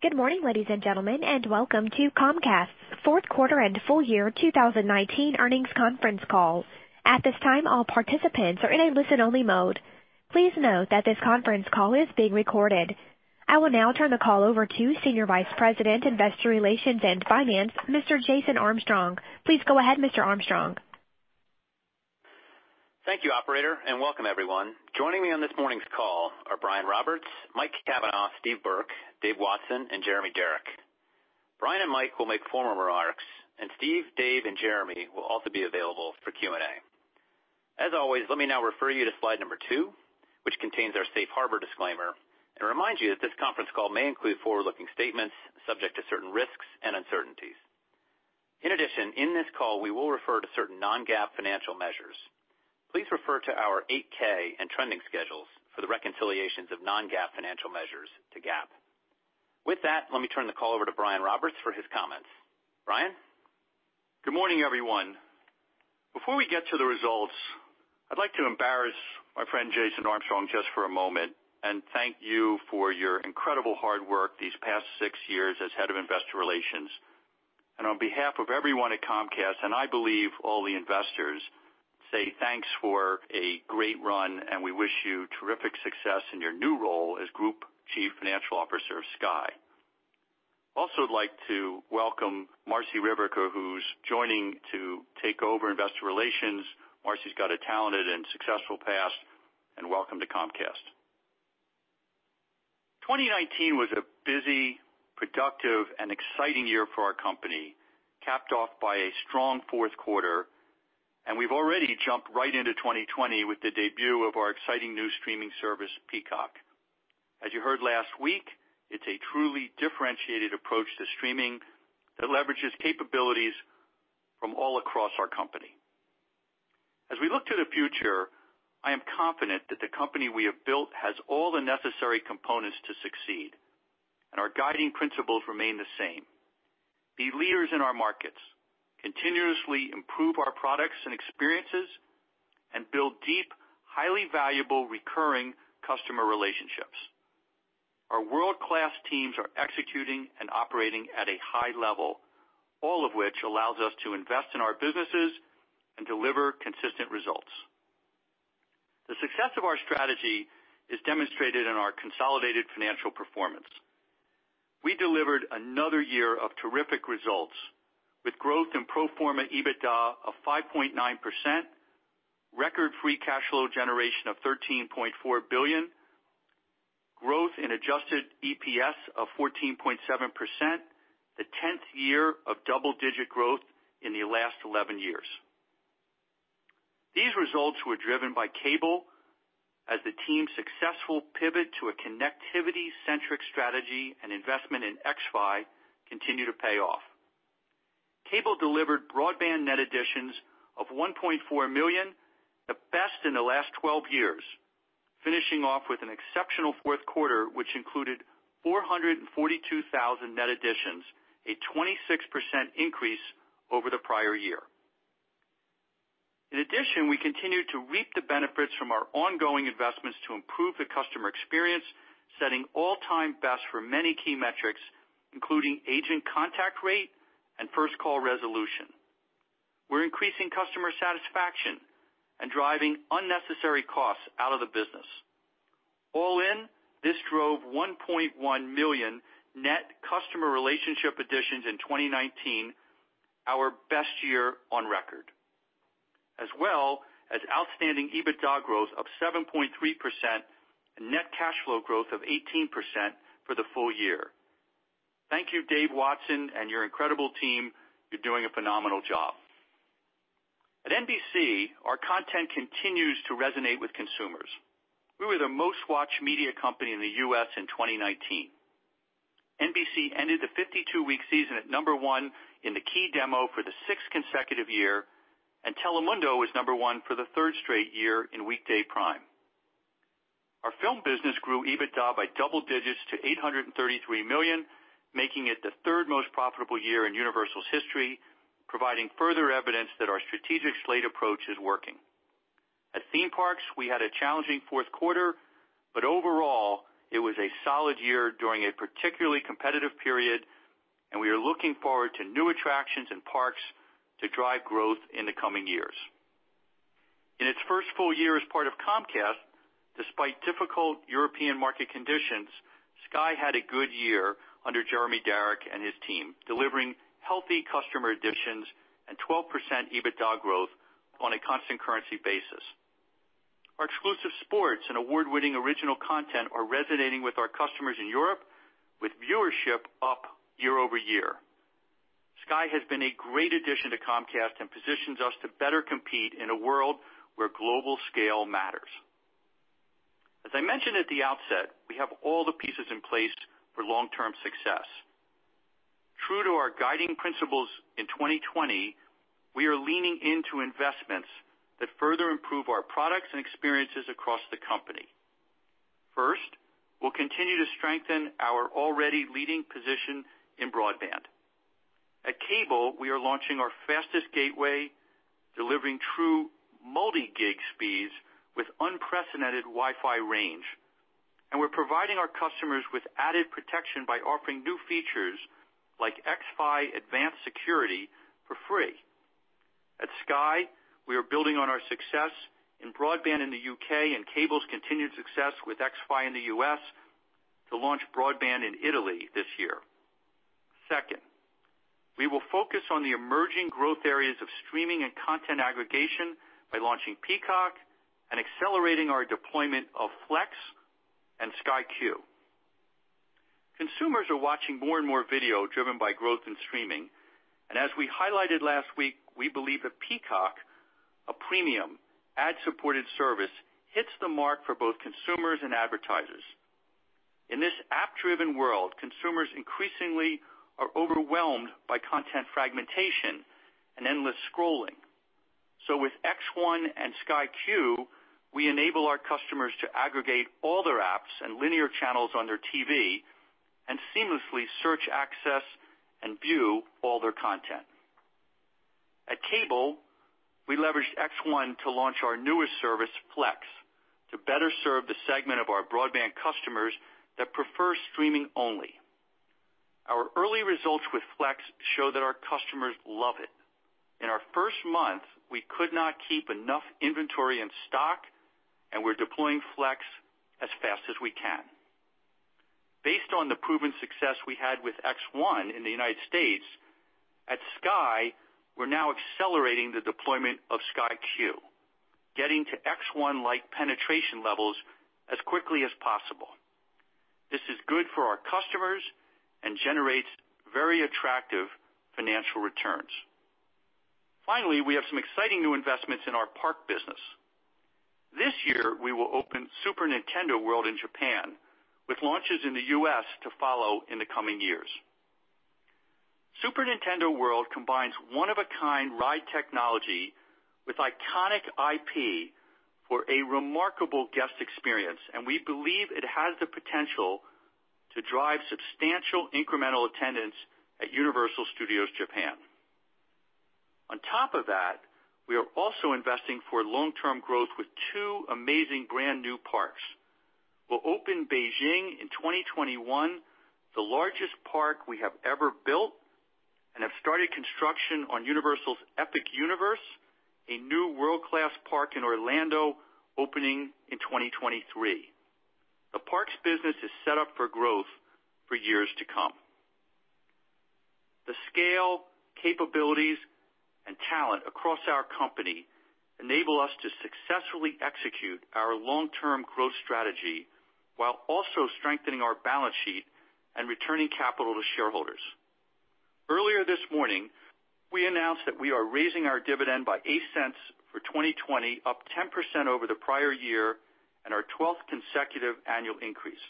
Good morning, ladies and gentlemen, welcome to Comcast's fourth quarter and full year 2019 earnings conference call. At this time, all participants are in a listen-only mode. Please note that this conference call is being recorded. I will now turn the call over to Senior Vice President, Investor Relations and Finance, Mr. Jason Armstrong. Please go ahead, Mr. Armstrong. Thank you, operator, and welcome everyone. Joining me on this morning's call are Brian Roberts, Mike Cavanagh, Steve Burke, Dave Watson, and Jeremy Darroch. Brian and Mike will make formal remarks, and Steve, Dave, and Jeremy will also be available for Q&A. As always, let me now refer you to slide number two, which contains our safe harbor disclaimer, and remind you that this conference call may include forward-looking statements subject to certain risks and uncertainties. In addition, in this call, we will refer to certain non-GAAP financial measures. Please refer to our 8-K and trending schedules for the reconciliations of non-GAAP financial measures to GAAP. With that, let me turn the call over to Brian Roberts for his comments. Brian? Good morning, everyone. Before we get to the results, I'd like to embarrass my friend Jason Armstrong just for a moment and thank you for your incredible hard work these past six years as Head of Investor Relations, and on behalf of everyone at Comcast, and I believe all the investors, say thanks for a great run, and we wish you terrific success in your new role as Group Chief Financial Officer of Sky. Also would like to welcome Marci Ryvicker, who's joining to take over investor relations. Marci's got a talented and successful past, and welcome to Comcast. 2019 was a busy, productive, and exciting year for our company, capped off by a strong fourth quarter, and we've already jumped right into 2020 with the debut of our exciting new streaming service, Peacock. As you heard last week, it's a truly differentiated approach to streaming that leverages capabilities from all across our company. As we look to the future, I am confident that the company we have built has all the necessary components to succeed, our guiding principles remain the same. Be leaders in our markets, continuously improve our products and experiences, and build deep, highly valuable, recurring customer relationships. Our world-class teams are executing and operating at a high level, all of which allows us to invest in our businesses and deliver consistent results. The success of our strategy is demonstrated in our consolidated financial performance. We delivered another year of terrific results with growth in pro forma EBITDA of 5.9%, record free cash flow generation of $13.4 billion, growth in adjusted EPS of 14.7%, the 10th year of double-digit growth in the last 11 years. These results were driven by Cable, as the team's successful pivot to a connectivity-centric strategy and investment in xFi continue to pay off. Cable delivered broadband net additions of 1.4 million, the best in the last 12 years, finishing off with an exceptional fourth quarter, which included 442,000 net additions, a 26% increase over the prior year. We continued to reap the benefits from our ongoing investments to improve the customer experience, setting all-time best for many key metrics, including agent contact rate and first call resolution. We're increasing customer satisfaction and driving unnecessary costs out of the business. All in, this drove 1.1 million net customer relationship additions in 2019, our best year on record, as well as outstanding EBITDA growth of 7.3% and net cash flow growth of 18% for the full year. Thank you, Dave Watson, and your incredible team. You're doing a phenomenal job. At NBC, our content continues to resonate with consumers. We were the most-watched media company in the U.S. in 2019. NBC ended the 52-week season at number one in the key demo for the sixth consecutive year, and Telemundo was number one for the third straight year in weekday prime. Our film business grew EBITDA by double digits to $833 million, making it the third most profitable year in Universal's history, providing further evidence that our strategic slate approach is working. At Theme Parks, we had a challenging fourth quarter, but overall, it was a solid year during a particularly competitive period, and we are looking forward to new attractions and parks to drive growth in the coming years. In its first full year as part of Comcast, despite difficult European market conditions, Sky had a good year under Jeremy Darroch and his team, delivering healthy customer additions and 12% EBITDA growth on a constant currency basis. Our exclusive sports and award-winning original content are resonating with our customers in Europe, with viewership up year-over-year. Sky has been a great addition to Comcast and positions us to better compete in a world where global scale matters. As I mentioned at the outset, we have all the pieces in place for long-term success. True to our guiding principles in 2020, we are leaning into investments that further improve our products and experiences across the company. First, we'll continue to strengthen our already leading position in broadband. At Cable, we are launching our fastest gateway, delivering true multi-gig speeds with unprecedented Wi-Fi range. We're providing our customers with added protection by offering new features like xFi Advanced Security for free. At Sky, we are building on our success in broadband in the U.K. and Cable's continued success with xFi in the U.S. to launch broadband in Italy this year. Second, we will focus on the emerging growth areas of streaming and content aggregation by launching Peacock and accelerating our deployment of Flex and Sky Q. Consumers are watching more and more video driven by growth in streaming. As we highlighted last week, we believe that Peacock, a premium ad-supported service, hits the mark for both consumers and advertisers. In this app-driven world, consumers increasingly are overwhelmed by content fragmentation and endless scrolling. With X1 and Sky Q, we enable our customers to aggregate all their apps and linear channels on their TV and seamlessly search, access, and view all their content. At Cable, we leveraged X1 to launch our newest service, Flex, to better serve the segment of our broadband customers that prefer streaming only. Our early results with Flex show that our customers love it. In our first month, we could not keep enough inventory in stock, and we're deploying Flex as fast as we can. Based on the proven success we had with X1 in the U.S., at Sky, we're now accelerating the deployment of Sky Q, getting to X1-like penetration levels as quickly as possible. This is good for our customers and generates very attractive financial returns. Finally, we have some exciting new investments in our park business. This year, we will open Super Nintendo World in Japan, with launches in the U.S. to follow in the coming years. Super Nintendo World combines one-of-a-kind ride technology with iconic IP for a remarkable guest experience, and we believe it has the potential to drive substantial incremental attendance at Universal Studios Japan. On top of that, we are also investing for long-term growth with two amazing brand-new parks. We'll open Beijing in 2021, the largest park we have ever built, and have started construction on Universal's Epic Universe, a new world-class park in Orlando, opening in 2023. The parks business is set up for growth for years to come. The scale, capabilities, and talent across our company enable us to successfully execute our long-term growth strategy while also strengthening our balance sheet and returning capital to shareholders. Earlier this morning, we announced that we are raising our dividend by $0.08 for 2020, up 10% over the prior year and our 12th consecutive annual increase.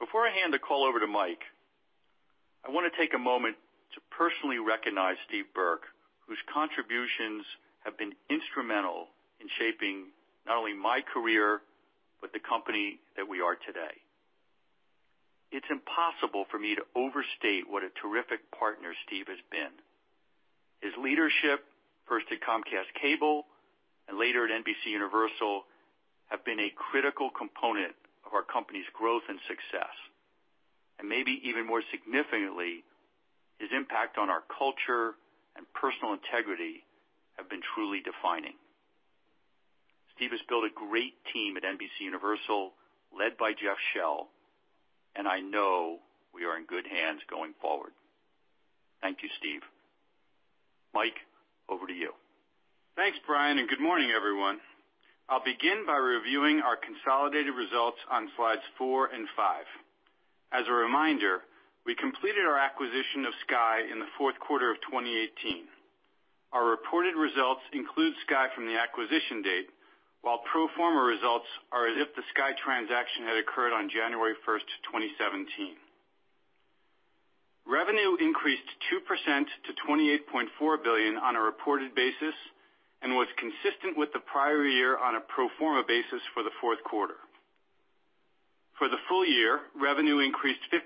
Before I hand the call over to Mike, I want to take a moment to personally recognize Steve Burke, whose contributions have been instrumental in shaping not only my career, but the company that we are today. It's impossible for me to overstate what a terrific partner Steve has been. His leadership, first at Comcast Cable and later at NBCUniversal, have been a critical component of our company's growth and success. Maybe even more significantly, his impact on our culture and personal integrity have been truly defining. Steve has built a great team at NBCUniversal, led by Jeff Shell, and I know we are in good hands going forward. Thank you, Steve. Mike, over to you. Thanks, Brian. Good morning, everyone. I'll begin by reviewing our consolidated results on slides four and five. As a reminder, we completed our acquisition of Sky in the fourth quarter of 2018. Our reported results include Sky from the acquisition date, while pro forma results are as if the Sky transaction had occurred on January 1st, 2017. Revenue increased 2% to $28.4 billion on a reported basis and was consistent with the prior year on a pro forma basis for the fourth quarter. For the full year, revenue increased 15%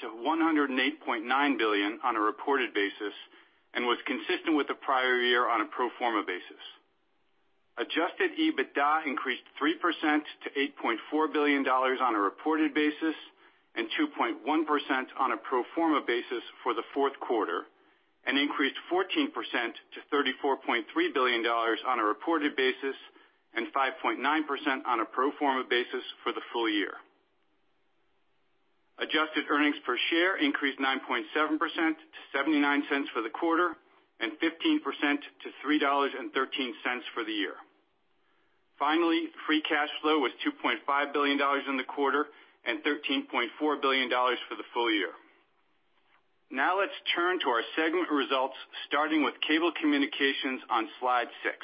to $108.9 billion on a reported basis and was consistent with the prior year on a pro forma basis. Adjusted EBITDA increased 3% to $8.4 billion on a reported basis and 2.1% on a pro forma basis for the fourth quarter, and increased 14% to $34.3 billion on a reported basis and 5.9% on a pro forma basis for the full year. Adjusted earnings per share increased 9.7% to $0.79 for the quarter and 15% to $3.13 for the year. Finally, free cash flow was $2.5 billion in the quarter and $13.4 billion for the full year. Now let's turn to our segment results, starting with Cable Communications on Slide six.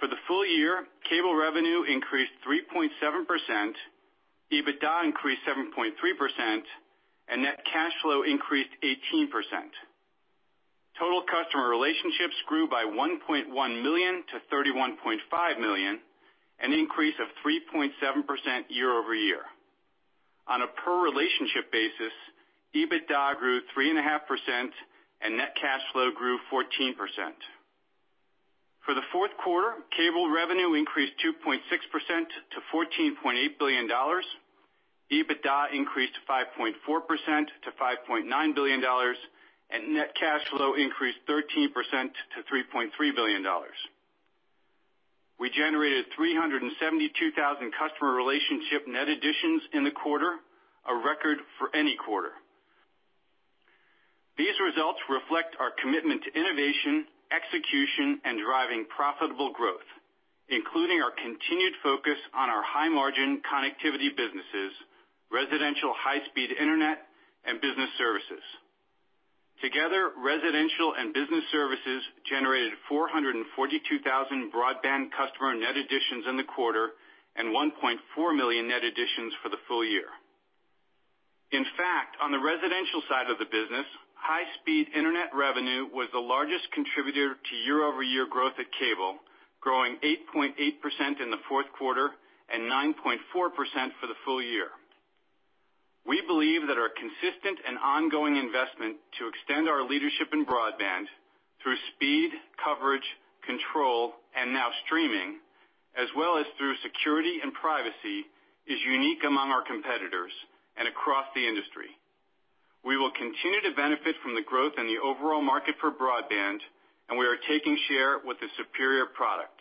For the full year, Cable revenue increased 3.7%, EBITDA increased 7.3%, and net cash flow increased 18%. Total customer relationships grew by 1.1 million to 31.5 million, an increase of 3.7% year-over-year. On a per relationship basis, EBITDA grew 3.5% and net cash flow grew 14%. For the fourth quarter, Cable revenue increased 2.6% to $14.8 billion. EBITDA increased 5.4% to $5.9 billion, and net cash flow increased 13% to $3.3 billion. We generated 372,000 customer relationship net additions in the quarter, a record for any quarter. These results reflect our commitment to innovation, execution, and driving profitable growth, including our continued focus on our high margin connectivity businesses, residential high-speed internet, and business services. Together, residential and business services generated 442,000 broadband customer net additions in the quarter, and 1.4 million net additions for the full year. In fact, on the residential side of the business, high-speed internet revenue was the largest contributor to year-over-year growth at Cable, growing 8.8% in the fourth quarter and 9.4% for the full year. We believe that our consistent and ongoing investment to extend our leadership in broadband through speed, coverage, control, and now streaming, as well as through security and privacy, is unique among our competitors and across the industry. We will continue to benefit from the growth in the overall market for broadband, and we are taking share with a superior product.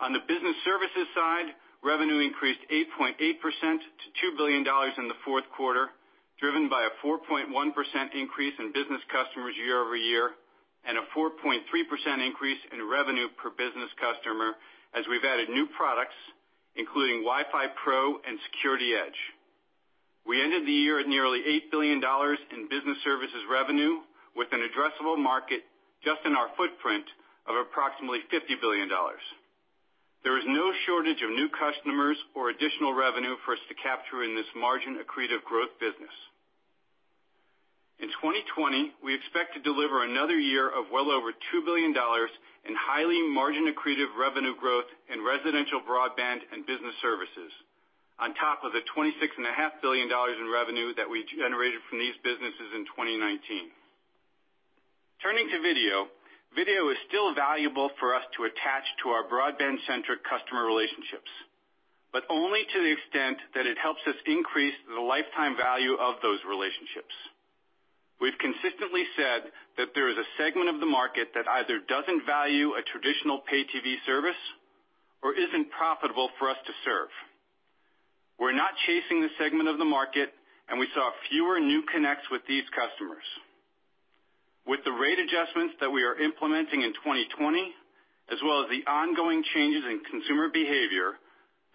On the business services side, revenue increased 8.8% to $2 billion in the fourth quarter, driven by a 4.1% increase in business customers year-over-year, and a 4.3% increase in revenue per business customer, as we've added new products including WiFi Pro and SecurityEdge. We ended the year at nearly $8 billion in business services revenue with an addressable market just in our footprint of approximately $50 billion. There is no shortage of new customers or additional revenue for us to capture in this margin-accretive growth business. In 2020, we expect to deliver another year of well over $2 billion in highly margin-accretive revenue growth in residential broadband and business services, on top of the $26.5 billion in revenue that we generated from these businesses in 2019. Turning to video. Video is still valuable for us to attach to our broadband-centric customer relationships, but only to the extent that it helps us increase the lifetime value of those relationships. We've consistently said that there is a segment of the market that either doesn't value a traditional pay TV service or isn't profitable for us to serve. We're not chasing this segment of the market, and we saw fewer new connects with these customers. With the rate adjustments that we are implementing in 2020, as well as the ongoing changes in consumer behavior,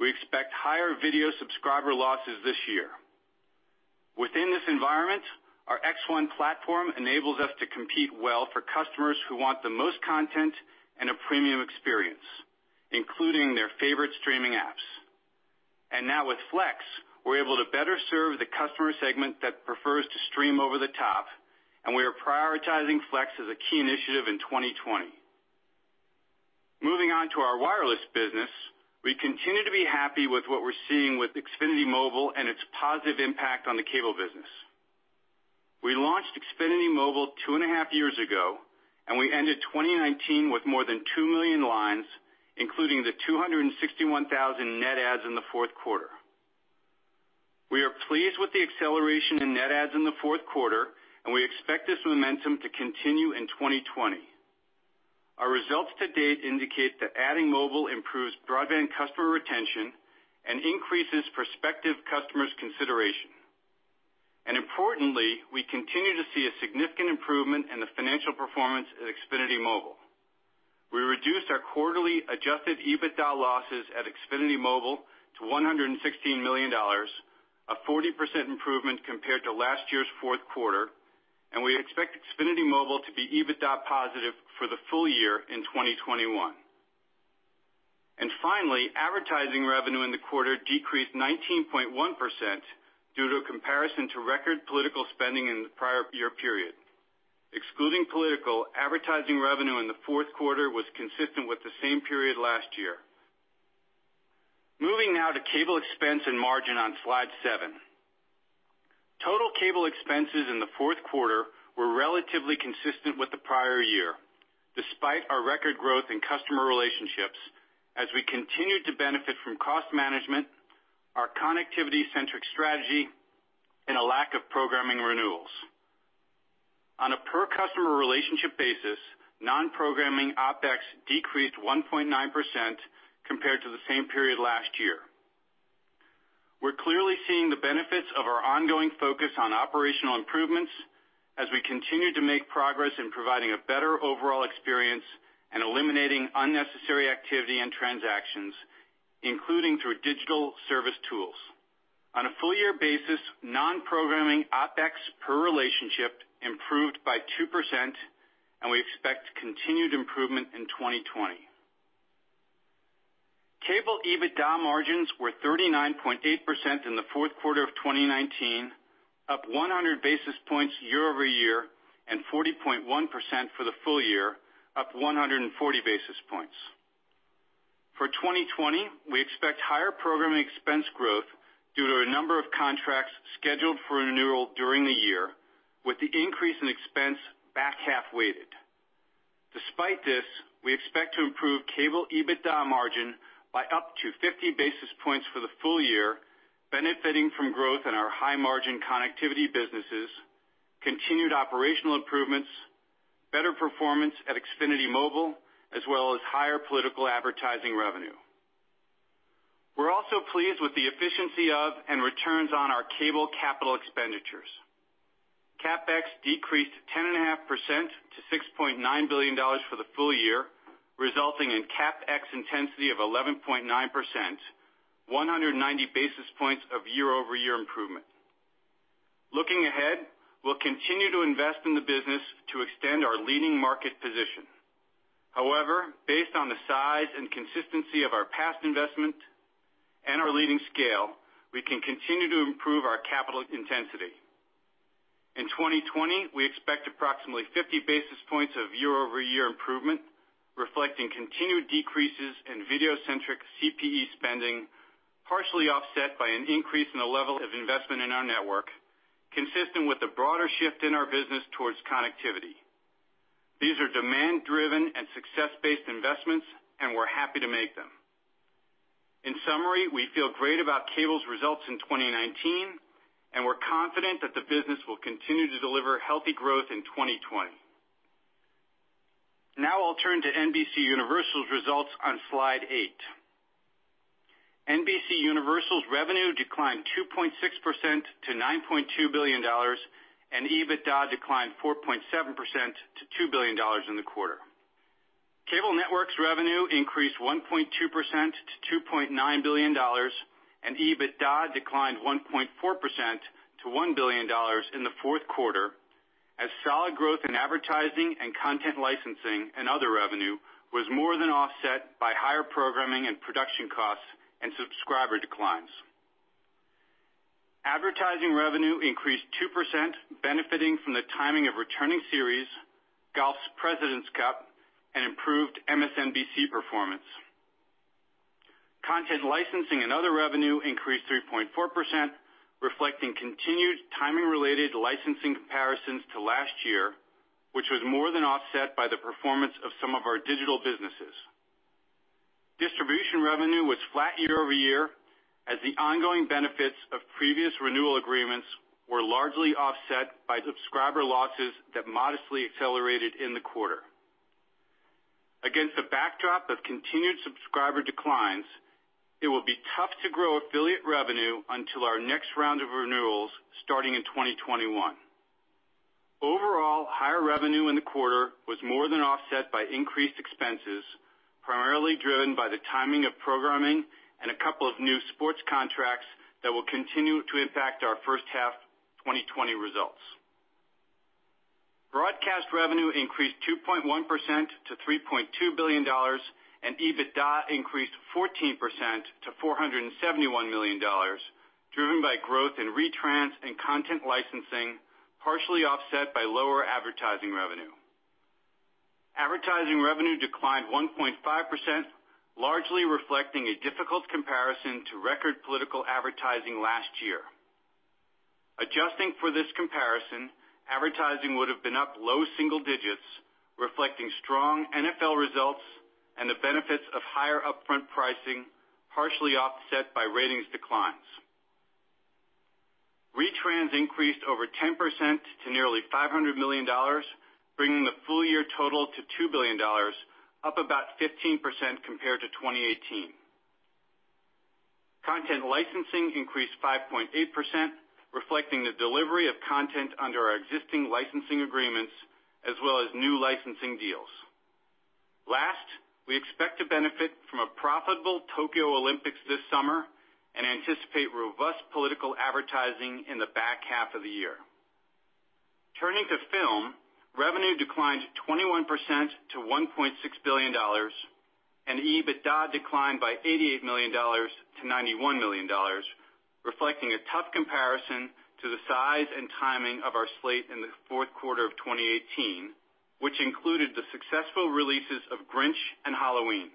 we expect higher video subscriber losses this year. Within this environment, our X1 platform enables us to compete well for customers who want the most content and a premium experience, including their favorite streaming apps. Now with Flex, we're able to better serve the customer segment that prefers to stream over the top, and we are prioritizing Flex as a key initiative in 2020. Moving on to our wireless business. We continue to be happy with what we're seeing with Xfinity Mobile and its positive impact on the cable business. We launched Xfinity Mobile two and a half years ago, and we ended 2019 with more than 2 million lines, including the 261,000 net adds in the fourth quarter. We are pleased with the acceleration in net adds in the fourth quarter, and we expect this momentum to continue in 2020. Our results to date indicate that adding mobile improves broadband customer retention and increases prospective customers' consideration. Importantly, we continue to see a significant improvement in the financial performance at Xfinity Mobile. We reduced our quarterly adjusted EBITDA losses at Xfinity Mobile to $116 million, a 40% improvement compared to last year's fourth quarter, and we expect Xfinity Mobile to be EBITDA positive for the full year in 2021. Finally, advertising revenue in the quarter decreased 19.1% due to a comparison to record political spending in the prior year period. Excluding political, advertising revenue in the fourth quarter was consistent with the same period last year. Moving now to cable expense and margin on slide seven. Total cable expenses in the fourth quarter were relatively consistent with the prior year, despite our record growth in customer relationships, as we continued to benefit from cost management, our connectivity centric strategy, and a lack of programming renewals. On a per customer relationship basis, non-programming OpEx decreased 1.9% compared to the same period last year. We're clearly seeing the benefits of our ongoing focus on operational improvements as we continue to make progress in providing a better overall experience and eliminating unnecessary activity and transactions, including through digital service tools. On a full year basis, non-programming OpEx per relationship improved by 2% and we expect continued improvement in 2020. Cable EBITDA margins were 39.8% in the fourth quarter of 2019, up 100 basis points year-over-year, and 40.1% for the full year, up 140 basis points. For 2020, we expect higher programming expense growth due to a number of contracts scheduled for renewal during the year, with the increase in expense back half weighted. Despite this, we expect to improve cable EBITDA margin by up to 50 basis points for the full year, benefiting from growth in our high margin connectivity businesses, continued operational improvements, better performance at Xfinity Mobile, as well as higher political advertising revenue. We're also pleased with the efficiency of and returns on our cable capital expenditures. CapEx decreased 10.5% to $6.9 billion for the full year, resulting in CapEx intensity of 11.9%, 190 basis points of year-over-year improvement. Looking ahead, we'll continue to invest in the business to extend our leading market position. However, based on the size and consistency of our past investment and our leading scale, we can continue to improve our capital intensity. In 2020, we expect approximately 50 basis points of year-over-year improvement, reflecting continued decreases in video centric CPE spending, partially offset by an increase in the level of investment in our network, consistent with the broader shift in our business towards connectivity. These are demand driven and success based investments, and we're happy to make them. In summary, we feel great about cable's results in 2019, and we're confident that the business will continue to deliver healthy growth in 2020. Now I'll turn to NBCUniversal's results on slide eight. NBCUniversal's revenue declined 2.6% to $9.2 billion, and EBITDA declined 4.7% to $2 billion in the quarter. Cable network's revenue increased 1.2% to $2.9 billion, and EBITDA declined 1.4% to $1 billion in the fourth quarter, as solid growth in advertising and content licensing and other revenue was more than offset by higher programming and production costs and subscriber declines. Advertising revenue increased 2%, benefiting from the timing of returning series, golf's Presidents Cup, and improved MSNBC performance. Content licensing and other revenue increased 3.4%, reflecting continued timing related licensing comparisons to last year, which was more than offset by the performance of some of our digital businesses. Distribution revenue was flat year-over-year, as the ongoing benefits of previous renewal agreements were largely offset by subscriber losses that modestly accelerated in the quarter. Against a backdrop of continued subscriber declines, it will be tough to grow affiliate revenue until our next round of renewals starting in 2021. Overall, higher revenue in the quarter was more than offset by increased expenses, primarily driven by the timing of programming and a couple of new sports contracts that will continue to impact our first half 2020 results. Broadcast revenue increased 2.1% to $3.2 billion, and EBITDA increased 14% to $471 million, driven by growth in retrans and content licensing, partially offset by lower advertising revenue. Advertising revenue declined 1.5%, largely reflecting a difficult comparison to record political advertising last year. Adjusting for this comparison, advertising would have been up low single digits, reflecting strong NFL results and the benefits of higher upfront pricing, partially offset by ratings declines. Retrans increased over 10% to nearly $500 million, bringing the full year total to $2 billion, up about 15% compared to 2018. Content licensing increased 5.8%, reflecting the delivery of content under our existing licensing agreements, as well as new licensing deals. Last, we expect to benefit from a profitable Tokyo 2020 this summer and anticipate robust political advertising in the back half of the year. Turning to film, revenue declined 21% to $1.6 billion, and EBITDA declined by $88 million to $91 million, reflecting a tough comparison to the size and timing of our slate in the fourth quarter of 2018, which included the successful releases of The Grinch and Halloween.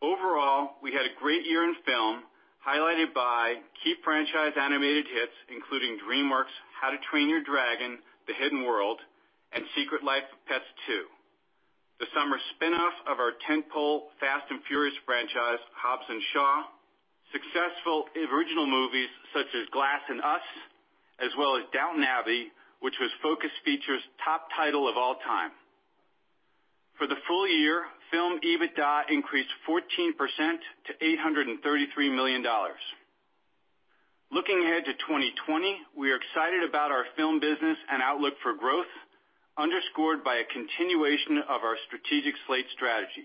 Overall, we had a great year in film, highlighted by key franchise animated hits, including DreamWorks' How to Train Your Dragon: The Hidden World and The Secret Life of Pets 2, the summer spinoff of our tent pole Fast & Furious franchise, Hobbs & Shaw, successful original movies such as Glass and Us, as well as Downton Abbey, which was Focus Features' top title of all time. For the full year, film EBITDA increased 14% to $833 million. Looking ahead to 2020, we are excited about our film business and outlook for growth underscored by a continuation of our strategic slate strategy.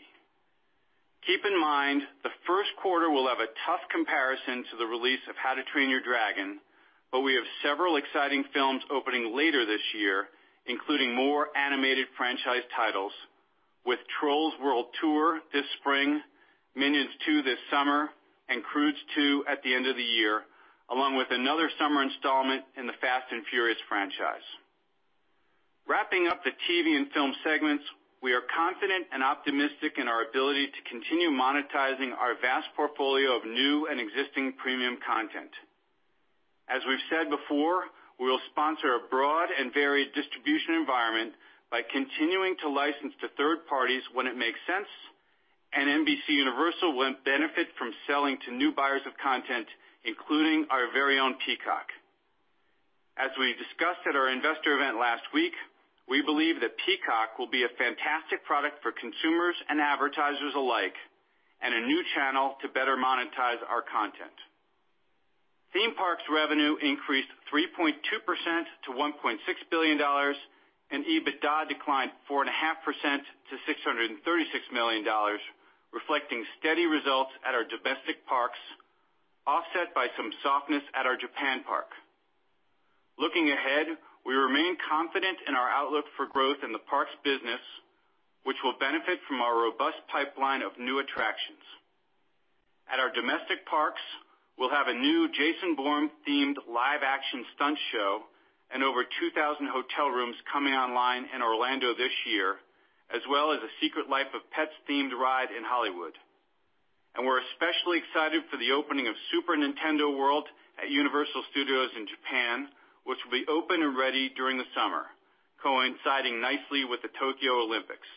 Keep in mind the first quarter will have a tough comparison to the release of How to Train Your Dragon. We have several exciting films opening later this year, including more animated franchise titles with Trolls World Tour this spring, Minions 2 this summer, and Croods 2 at the end of the year, along with another summer installment in the Fast & Furious franchise. Wrapping up the TV and film segments, we are confident and optimistic in our ability to continue monetizing our vast portfolio of new and existing premium content. As we've said before, we'll sponsor a broad and varied distribution environment by continuing to license to third parties when it makes sense, and NBCUniversal will benefit from selling to new buyers of content, including our very own Peacock. As we discussed at our investor event last week, we believe that Peacock will be a fantastic product for consumers and advertisers alike and a new channel to better monetize our content. Theme parks revenue increased 3.2% to $1.6 billion, and EBITDA declined 4.5% to $636 million, reflecting steady results at our domestic parks, offset by some softness at our Japan park. Looking ahead, we remain confident in our outlook for growth in the parks business, which will benefit from our robust pipeline of new attractions. At our domestic parks, we'll have a new Jason Bourne-themed live action stunt show and over 2,000 hotel rooms coming online in Orlando this year, as well as a Secret Life of Pets themed ride in Hollywood. We're especially excited for the opening of Super Nintendo World at Universal Studios in Japan, which will be open and ready during the summer, coinciding nicely with the Tokyo Olympics.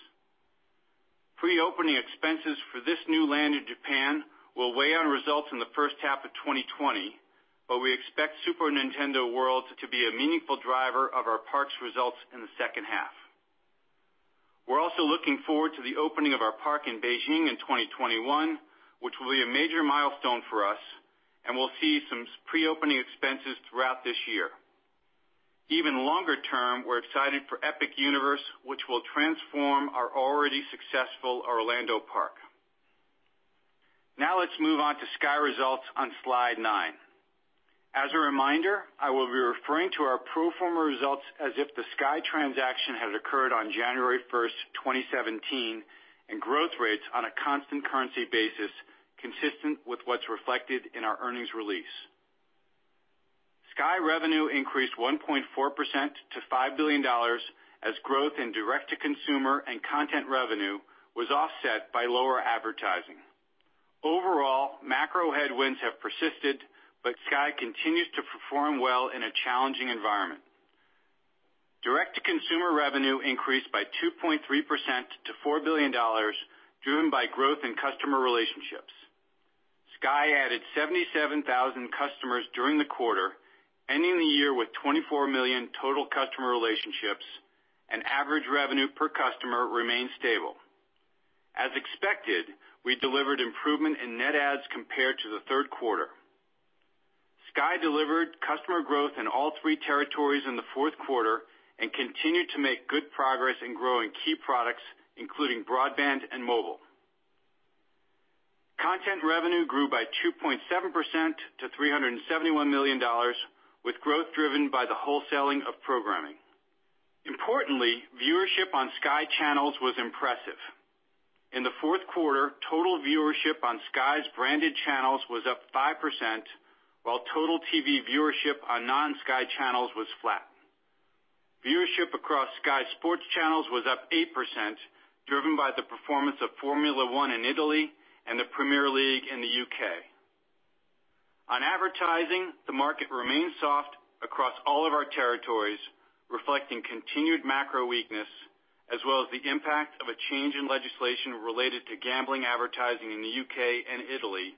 Pre-opening expenses for this new land in Japan will weigh on results in the first half of 2020, but we expect Super Nintendo World to be a meaningful driver of our parks results in the second half. We're also looking forward to the opening of our park in Beijing in 2021, which will be a major milestone for us, and we'll see some pre-opening expenses throughout this year. Even longer term, we're excited for Epic Universe, which will transform our already successful Orlando park. Let's move on to Sky results on slide nine. As a reminder, I will be referring to our pro forma results as if the Sky transaction had occurred on January 1st, 2017, and growth rates on a constant currency basis consistent with what's reflected in our earnings release. Sky revenue increased 1.4% to $5 billion as growth in direct-to-consumer and content revenue was offset by lower advertising. Macro headwinds have persisted. Sky continues to perform well in a challenging environment. Direct-to-consumer revenue increased by 2.3% to $4 billion, driven by growth in customer relationships. Sky added 77,000 customers during the quarter, ending the year with 24 million total customer relationships. Average revenue per customer remained stable. As expected, we delivered improvement in net adds compared to the third quarter. Sky delivered customer growth in all three territories in the fourth quarter and continued to make good progress in growing key products, including broadband and mobile. Content revenue grew by 2.7% to $371 million, with growth driven by the wholesaling of programming. Importantly, viewership on Sky channels was impressive. In the fourth quarter, total viewership on Sky's branded channels was up 5%, while total TV viewership on non-Sky channels was flat. Viewership across Sky sports channels was up 8%, driven by the performance of Formula One in Italy and the Premier League in the U.K. On advertising, the market remained soft across all of our territories, reflecting continued macro weakness as well as the impact of a change in legislation related to gambling advertising in the U.K. and Italy,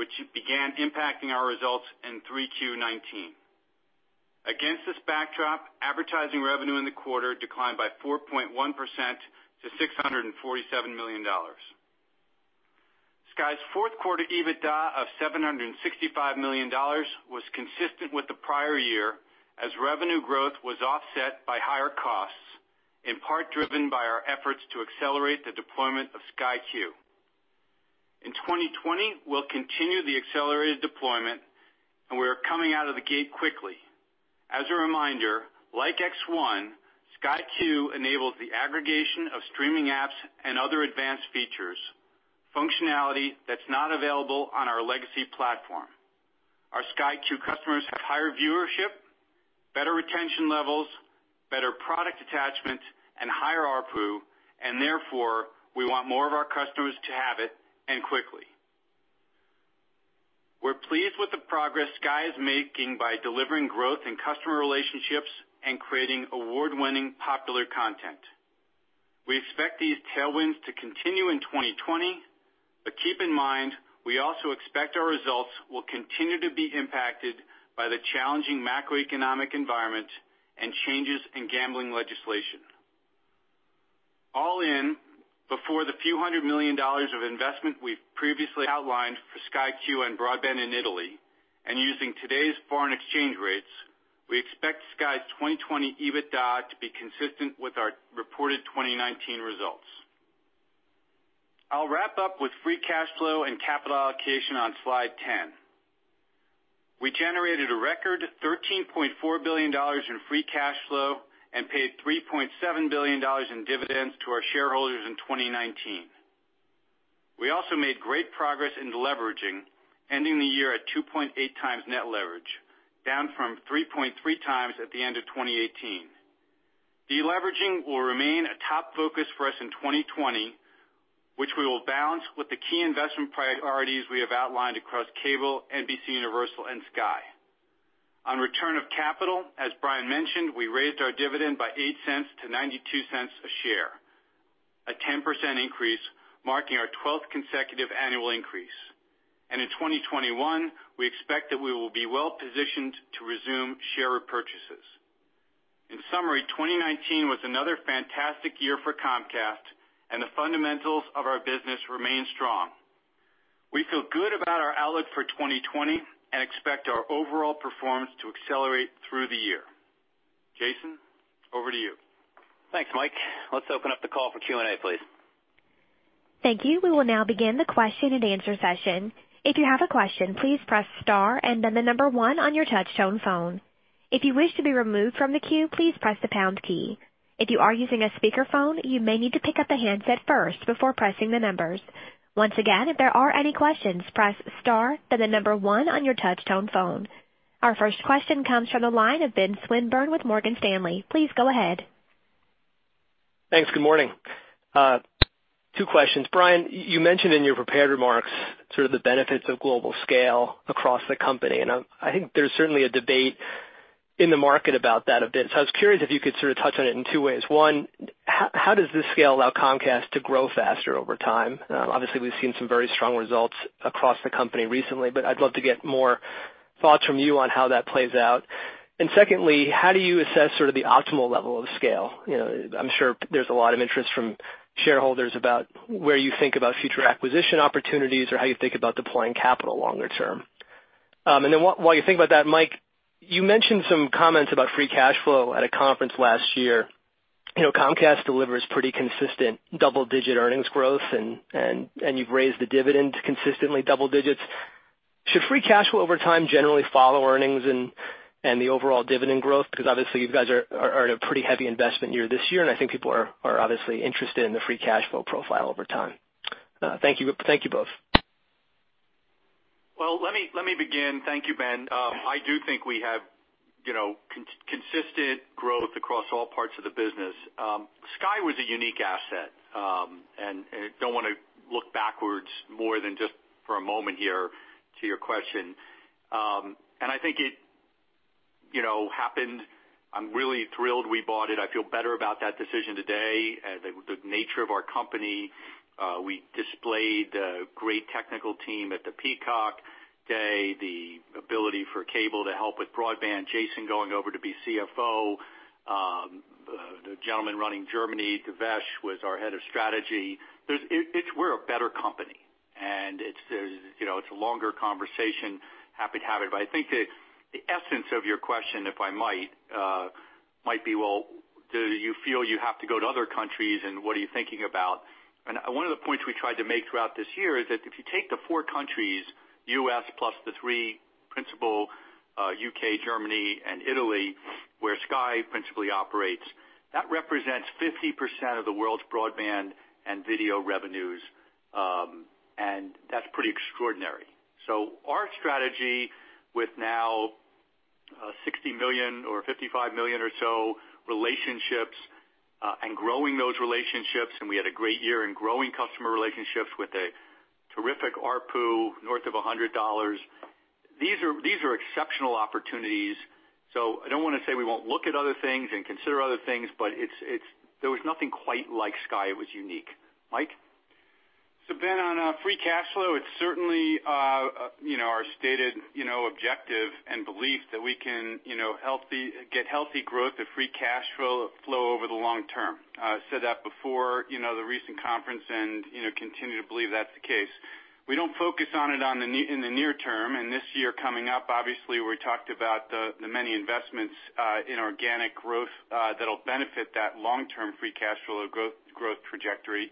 which began impacting our results in 3Q 2019. Against this backdrop, advertising revenue in the quarter declined by 4.1% to $647 million. Sky's fourth quarter EBITDA of $765 million was consistent with the prior year, as revenue growth was offset by higher costs, in part driven by our efforts to accelerate the deployment of Sky Q. In 2020, we'll continue the accelerated deployment, and we are coming out of the gate quickly. As a reminder, like X1, Sky Q enables the aggregation of streaming apps and other advanced features, functionality that's not available on our legacy platform. Our Sky Q customers have higher viewership, better retention levels, better product attachment, and higher ARPU, and therefore, we want more of our customers to have it and quickly. We're pleased with the progress Sky is making by delivering growth in customer relationships and creating award-winning popular content. We expect these tailwinds to continue in 2020, but keep in mind, we also expect our results will continue to be impacted by the challenging macroeconomic environment and changes in gambling legislation. All in, before the few hundred million dollars of investment we've previously outlined for Sky Q and broadband in Italy, and using today's foreign exchange rates, we expect Sky's 2020 EBITDA to be consistent with our reported 2019 results. I'll wrap up with free cash flow and capital allocation on slide 10. We generated a record $13.4 billion in free cash flow and paid $3.7 billion in dividends to our shareholders in 2019. We also made great progress in deleveraging, ending the year at 2.8 times net leverage, down from 3.3 times at the end of 2018. Deleveraging will remain a top focus for us in 2020, which we will balance with the key investment priorities we have outlined across Cable, NBCUniversal, and Sky. On return of capital, as Brian mentioned, we raised our dividend by $0.08 to $0.92 a share, a 10% increase, marking our 12th consecutive annual increase. In 2021, we expect that we will be well-positioned to resume share repurchases. In summary, 2019 was another fantastic year for Comcast, and the fundamentals of our business remain strong. We feel good about our outlook for 2020 and expect our overall performance to accelerate through the year. Jason, over to you. Thanks, Mike. Let's open up the call for Q&A, please. Thank you. We will now begin the question and answer session. If you have a question, please press star and then the number one on your touchtone phone. If you wish to be removed from the queue, please press the pound key. If you are using a speakerphone, you may need to pick up the handset first before pressing the numbers. Once again, if there are any questions, press star, then the number one on your touchtone phone. Our first question comes from the line of Benjamin Swinburne with Morgan Stanley. Please go ahead. Thanks. Good morning. Two questions. Brian, you mentioned in your prepared remarks sort of the benefits of global scale across the company, and I think there's certainly a debate in the market about that a bit. I was curious if you could sort of touch on it in two ways. One, how does this scale allow Comcast to grow faster over time? Obviously, we've seen some very strong results across the company recently, but I'd love to get more thoughts from you on how that plays out. Secondly, how do you assess sort of the optimal level of scale? I'm sure there's a lot of interest from shareholders about where you think about future acquisition opportunities or how you think about deploying capital longer term. While you think about that, Mike, you mentioned some comments about free cash flow at a conference last year. Comcast delivers pretty consistent double-digit earnings growth and you've raised the dividend consistently double digits. Should free cash flow over time generally follow earnings and the overall dividend growth? Obviously you guys are in a pretty heavy investment year this year, and I think people are obviously interested in the free cash flow profile over time. Thank you both. Well, let me begin. Thank you, Ben. I do think we have consistent growth across all parts of the business. Sky was a unique asset, and I don't want to look backwards more than just for a moment here to your question. I think it happened. I'm really thrilled we bought it. I feel better about that decision today. The nature of our company, we displayed a great technical team at the Peacock Day, the ability for Cable to help with broadband, Jason going over to be CFO. The gentleman running Germany, Devesh, was our head of strategy. We're a better company, and it's a longer conversation. Happy to have it. I think the essence of your question, if I might be, well, do you feel you have to go to other countries, and what are you thinking about? One of the points we tried to make throughout this year is that if you take the four countries, U.S. plus the three principal, U.K., Germany, and Italy, where Sky principally operates, that represents 50% of the world's broadband and video revenues. That's pretty extraordinary. Our strategy with now 60 million or 55 million or so relationships, and growing those relationships, and we had a great year in growing customer relationships with a terrific ARPU north of $100. These are exceptional opportunities. I don't want to say we won't look at other things and consider other things, but there was nothing quite like Sky. It was unique. Mike? Ben, on free cash flow, it's certainly our stated objective and belief that we can get healthy growth of free cash flow over the long term. I said that before the recent conference and continue to believe that's the case. We don't focus on it in the near term, and this year coming up, obviously, we talked about the many investments in organic growth that'll benefit that long-term free cash flow growth trajectory.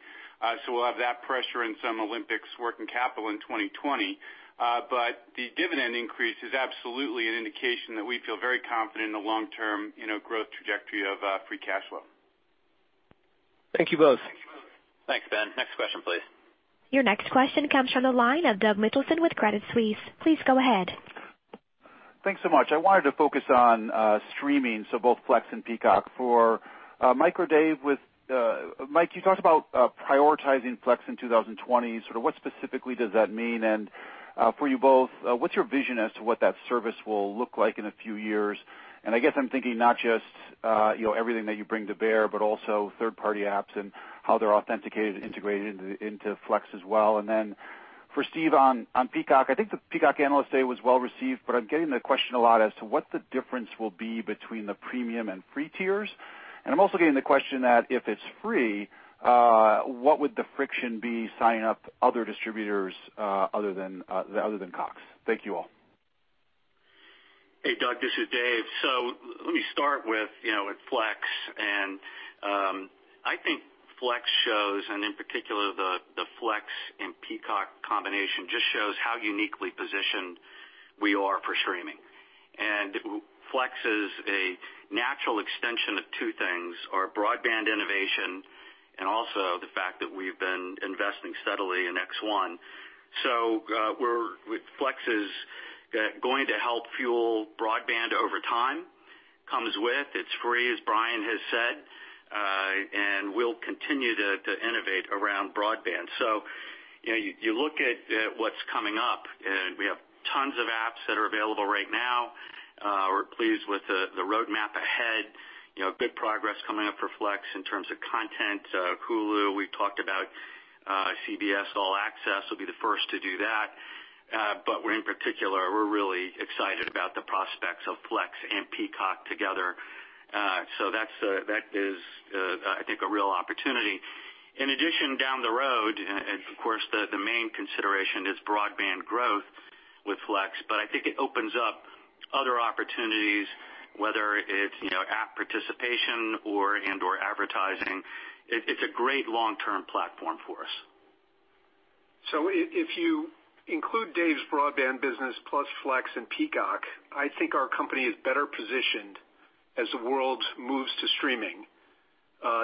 We'll have that pressure and some Olympics working capital in 2020. The dividend increase is absolutely an indication that we feel very confident in the long-term growth trajectory of free cash flow. Thank you both. Thanks, Ben. Next question, please. Your next question comes from the line of Doug Mitchelson with Credit Suisse. Please go ahead. Thanks so much. I wanted to focus on streaming, so both Flex and Peacock. For Mike or Dave. Mike, you talked about prioritizing Flex in 2020. Sort of what specifically does that mean? For you both, what's your vision as to what that service will look like in a few years? I guess I'm thinking not just everything that you bring to bear, but also third-party apps and how they're authenticated and integrated into Flex as well. For Steve on Peacock, I think the Peacock Analyst Day was well received, but I'm getting the question a lot as to what the difference will be between the premium and free tiers. I'm also getting the question that if it's free, what would the friction be signing up other distributors other than Cox. Thank you all. Hey, Doug, this is Dave. Let me start with Flex. I think Flex shows, and in particular, the Flex and Peacock combination just shows how uniquely positioned we are for streaming. Flex is a natural extension of two things, our broadband innovation and also the fact that we've been investing steadily in X1. Flex is going to help fuel broadband over time, comes with, it's free, as Brian has said, and we'll continue to innovate around broadband. You look at what's coming up, and we have tons of apps that are available right now. We're pleased with the roadmap ahead. Good progress coming up for Flex in terms of content. Hulu, we've talked about CBS All Access will be the first to do that. In particular, we're really excited about the prospects of Flex and Peacock together. That is, I think, a real opportunity. In addition, down the road, of course, the main consideration is broadband growth with Flex. I think it opens up other opportunities, whether it's app participation and/or advertising. It's a great long-term platform for us. If you include Dave's broadband business plus Flex and Peacock, I think our company is better positioned as the world moves to streaming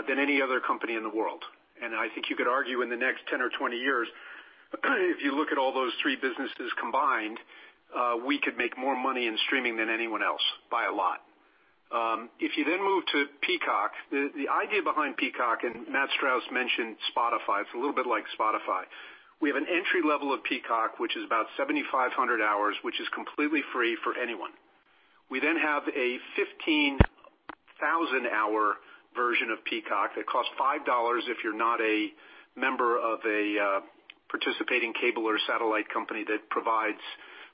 than any other company in the world. I think you could argue in the next 10 or 20 years, if you look at all those three businesses combined, we could make more money in streaming than anyone else by a lot. If you then move to Peacock, the idea behind Peacock, and Matt Strauss mentioned Spotify, it's a little bit like Spotify. We have an entry level of Peacock, which is about 7,500 hours, which is completely free for anyone. We then have a 15,000-hour version of Peacock that costs $5 if you're not a member of a participating cable or satellite company that provides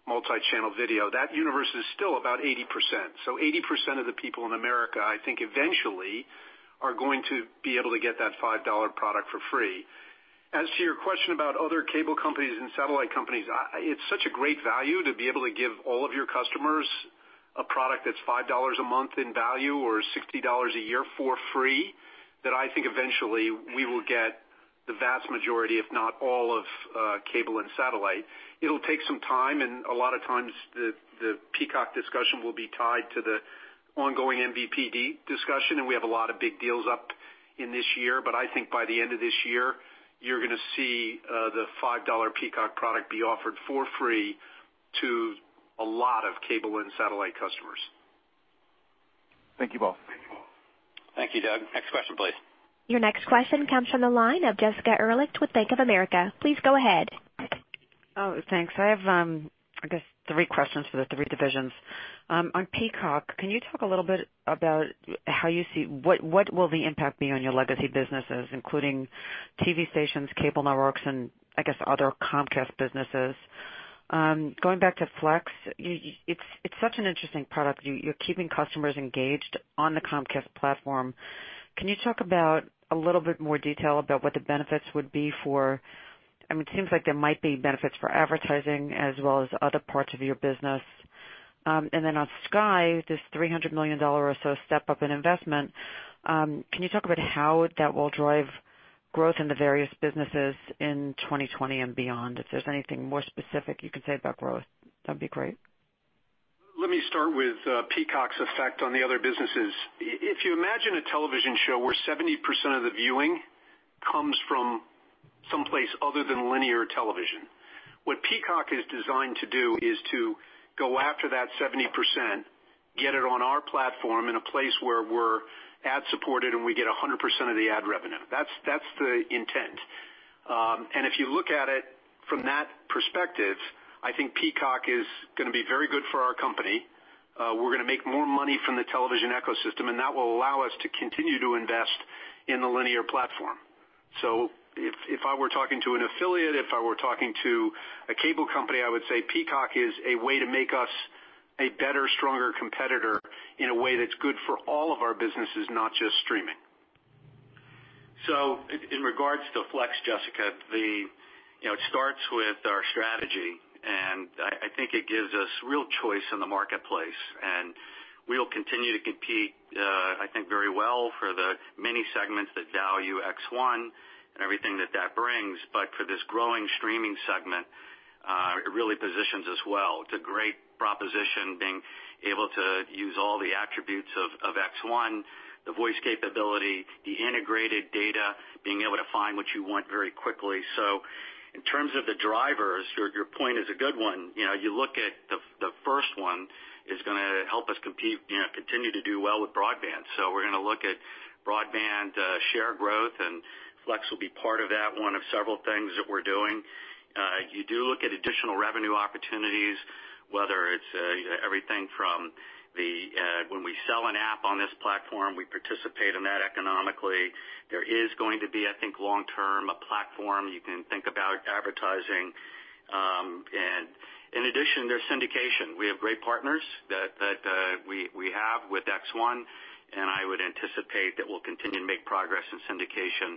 multi-channel video. That universe is still about 80%. 80% of the people in America, I think, eventually are going to be able to get that $5 product for free. As to your question about other cable companies and satellite companies, it's such a great value to be able to give all of your customers a product that's $5 a month in value or $60 a year for free, that I think eventually we will get the vast majority, if not all, of cable and satellite. It'll take some time, and a lot of times the Peacock discussion will be tied to the ongoing MVPD discussion, and we have a lot of big deals up in this year. I think by the end of this year, you're going to see the $5 Peacock product be offered for free to a lot of cable and satellite customers. Thank you both. Thank you, Doug. Next question, please. Your next question comes from the line of Jessica Ehrlich with Bank of America. Please go ahead. Oh, thanks. I have, I guess three questions for the three divisions. On Peacock, can you talk a little bit about what will the impact be on your legacy businesses, including TV stations, cable networks, and I guess other Comcast businesses? Going back to Flex, it's such an interesting product. You're keeping customers engaged on the Comcast platform. Can you talk about a little bit more detail about what the benefits would be? It seems like there might be benefits for advertising as well as other parts of your business. Then on Sky, this $300 million or so step up in investment, can you talk about how that will drive growth in the various businesses in 2020 and beyond? If there's anything more specific you can say about growth, that'd be great. Let me start with Peacock's effect on the other businesses. If you imagine a television show where 70% of the viewing comes from someplace other than linear television, what Peacock is designed to do is to go after that 70%, get it on our platform in a place where we're ad supported, and we get 100% of the ad revenue. That's the intent. If you look at it from that perspective, I think Peacock is going to be very good for our company. We're going to make more money from the television ecosystem, and that will allow us to continue to invest in the linear platform. If I were talking to an affiliate, if I were talking to a cable company, I would say Peacock is a way to make us a better, stronger competitor in a way that's good for all of our businesses, not just streaming. In regards to Flex, Jessica, it starts with our strategy, and I think it gives us real choice in the marketplace, and we'll continue to compete I think very well for the many segments that value X1 and everything that that brings. For this growing streaming segment, it really positions us well. It's a great proposition being able to use all the attributes of X1, the voice capability, the integrated data, being able to find what you want very quickly. In terms of the drivers, your point is a good one. You look at the first one is going to help us compete, continue to do well with broadband. We're going to look at broadband share growth, and Flex will be part of that, one of several things that we're doing. You do look at additional revenue opportunities, whether it's everything from when we sell an app on this platform, we participate in that economically. There is going to be, I think, long term a platform you can think about advertising. There's syndication. We have great partners with X1. I would anticipate that we'll continue to make progress in syndication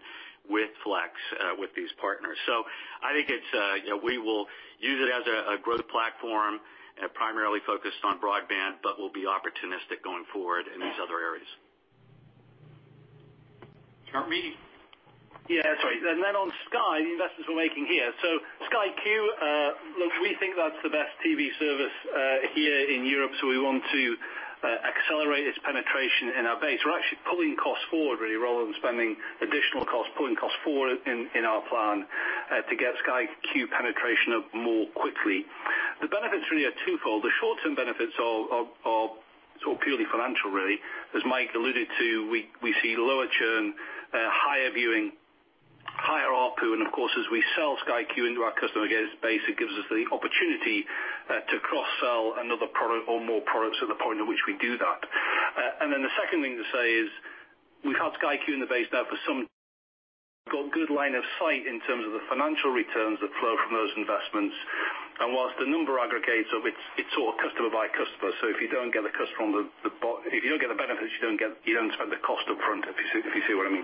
with Flex, with these partners. I think we will use it as a growth platform, primarily focused on broadband, but we'll be opportunistic going forward in these other areas. Charlie? Yeah, sorry. On Sky, the investments we're making here. Sky Q, look, we think that's the best TV service here in Europe, we want to accelerate its penetration in our base. We're actually pulling costs forward, really, rather than spending additional costs, pulling costs forward in our plan to get Sky Q penetration up more quickly. The benefits really are twofold. The short-term benefits are all purely financial, really. As Mike alluded to, we see lower churn, higher viewing, higher ARPU, as we sell Sky Q into our customer base, it gives us the opportunity to cross-sell another product or more products at the point at which we do that. The second thing to say is we've had Sky Q in the base now, got good line of sight in terms of the financial returns that flow from those investments. Whilst the number aggregates up, it's all customer by customer. If you don't get the customer, if you don't get the benefits, you don't spend the cost up front, if you see what I mean.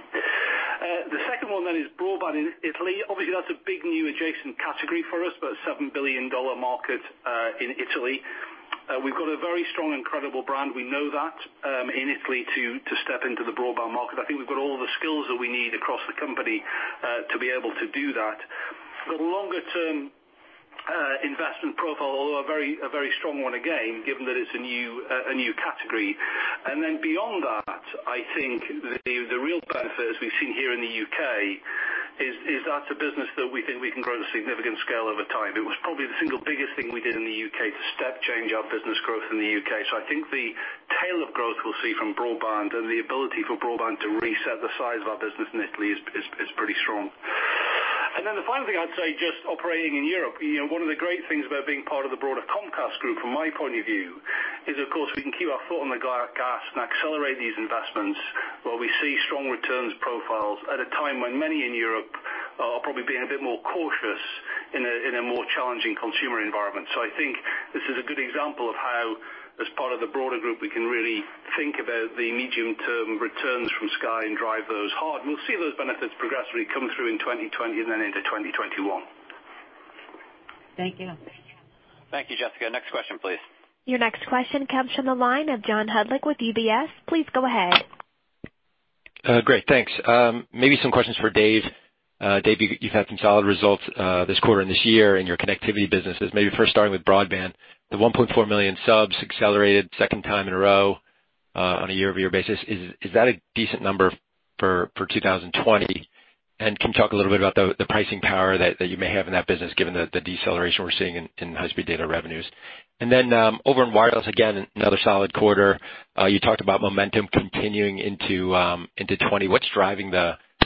The second one then is broadband in Italy. Obviously, that's a big new adjacent category for us, about a $7 billion market in Italy. We've got a very strong and credible brand. We know that in Italy to step into the broadband market. I think we've got all the skills that we need across the company to be able to do that. The longer term investment profile, although a very strong one again, given that it's a new category. Beyond that, I think the real benefit, as we've seen here in the U.K., is that's a business that we think we can grow to significant scale over time. It was probably the single biggest thing we did in the U.K. to step change our business growth in the U.K. I think the tail of growth we'll see from broadband and the ability for broadband to reset the size of our business in Italy is pretty strong. The final thing I'd say, just operating in Europe, one of the great things about being part of the broader Comcast group, from my point of view, is of course, we can keep our foot on the gas and accelerate these investments where we see strong returns profiles at a time when many in Europe are probably being a bit more cautious in a more challenging consumer environment. I think this is a good example of how, as part of the broader group, we can really think about the medium-term returns from Sky and drive those hard. We'll see those benefits progressively come through in 2020 and then into 2021. Thank you. Thank you, Jessica. Next question, please. Your next question comes from the line of John Hodulik with UBS. Please go ahead. Great. Thanks. Maybe some questions for Dave. Dave, you've had some solid results this quarter and this year in your connectivity businesses. Maybe first starting with broadband, the 1.4 million subs accelerated second time in a row on a year-over-year basis. Is that a decent number for 2020? Can you talk a little bit about the pricing power that you may have in that business, given the deceleration we're seeing in high-speed data revenues? Then over in wireless, again, another solid quarter. You talked about momentum continuing into 2020. What's driving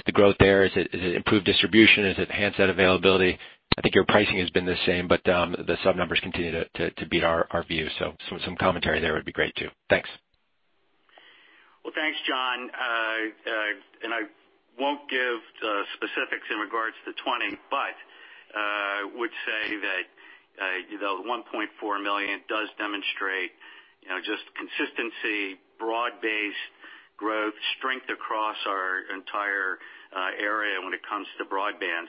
the growth there? Is it improved distribution? Is it handset availability? I think your pricing has been the same, but the sub numbers continue to beat our view. Some commentary there would be great, too. Thanks. Well, thanks, John. I won't give specifics in regards to 2020, but would say that the 1.4 million does demonstrate just consistency, broad-based growth, strength across our entire area when it comes to broadband.